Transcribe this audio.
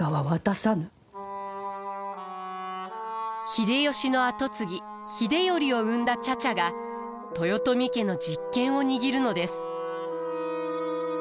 秀吉の後継ぎ秀頼を生んだ茶々が豊臣家の実権を握るのです。